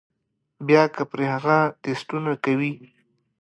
بيا کۀ پرې هغه ټسټونه کوي